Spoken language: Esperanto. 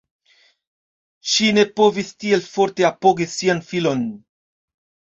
Ŝi ne povis tiel forte apogi sian filon.